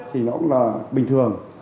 thì nó cũng là bình thường